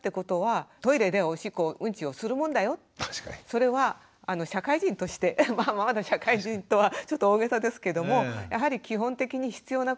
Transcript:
それは社会人としてまだ社会人とはちょっと大げさですけどもやはり基本的に必要なことなんだよ